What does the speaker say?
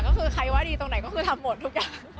ก็คือใครว่าดีตรงไหนก็คือทำหมดทุกอย่าง